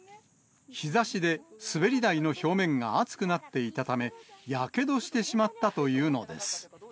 日ざしで滑り台の表面が熱くなっていたため、やけどしてしまったというのです。